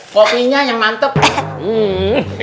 kopinya yang mantep